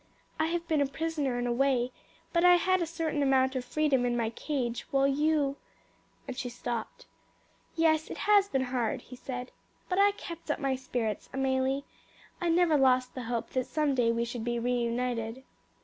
I have been a prisoner in a way, but I had a certain amount of freedom in my cage, while you " And she stopped. "Yes, it has been hard," he said; "but I kept up my spirits, Amelie. I never lost the hope that some day we should be reunited."